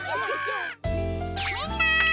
みんな！